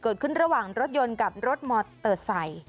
เกิดขึ้นระหว่างรถยนต์กับรถมอเตอร์ไซค์